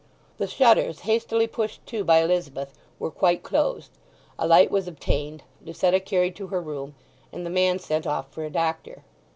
The shutters, hastily pushed to by Elizabeth, were quite closed, a light was obtained, Lucetta carried to her room, and the man sent off for a doctor.